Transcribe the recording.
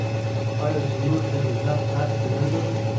آیا موږ د عزت حق نلرو؟